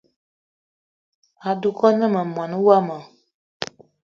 Adugna ma mwaní wama